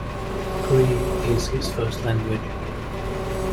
Cree is his first language.